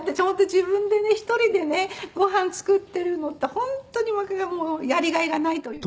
自分でね１人でねご飯作ってるのって本当にやりがいがないというか。